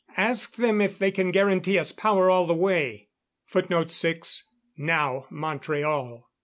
Ask them if they can guarantee us power all the way." [Footnote 6: Now Montreal.